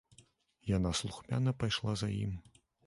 Яна слухмяна пайшла за ім.